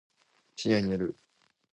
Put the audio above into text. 深夜に寝る